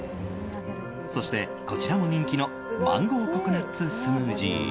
そして、こちらも人気のマンゴーココナッツスムージー。